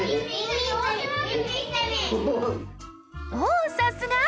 おさすが！